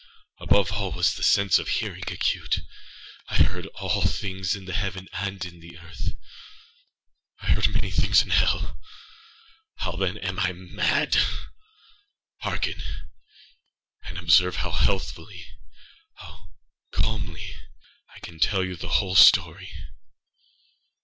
Above all was the sense of hearing acute. I heard all things in the heaven and in the earth. I heard many things in hell. How, then, am I mad? Hearken! and observe how healthilyâhow calmly I can tell you the whole story.